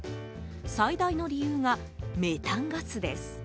最大の理由がメタンガスです。